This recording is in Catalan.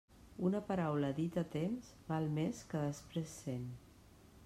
Una paraula dita a temps val més que després cent.